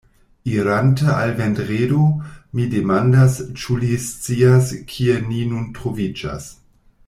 Irante al Vendredo, mi demandas, ĉu li scias, kie ni nun troviĝas.